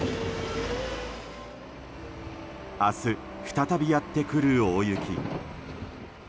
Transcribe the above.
明日、再びやってくる大雪。